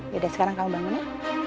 yaudah sekarang kamu bangun ya